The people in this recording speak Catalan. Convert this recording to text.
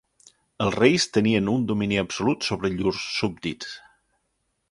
Els reis tenien un domini absolut sobre llurs súbdits.